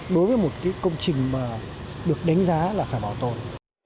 đối với một công trình được đánh giá là phải bảo tồn